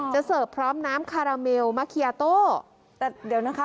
เสิร์ฟพร้อมน้ำคาราเมลมะเคียโต้แต่เดี๋ยวนะคะ